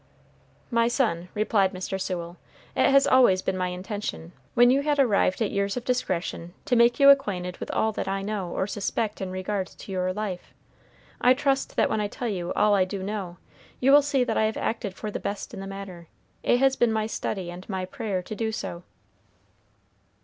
"My son," replied Mr. Sewell, "it has always been my intention, when you had arrived at years of discretion, to make you acquainted with all that I know or suspect in regard to your life. I trust that when I tell you all I do know, you will see that I have acted for the best in the matter. It has been my study and my prayer to do so."